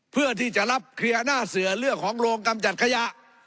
เพื่อที่จะรับเคลียร์หน้าเสือเรื่องของโรงกำจัดขยะ